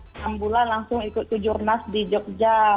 enam bulan langsung ikut ke jurnas di jogja